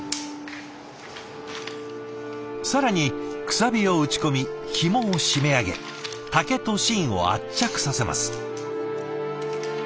更にくさびを打ち込みひもを締め上げ竹と芯を圧着させます。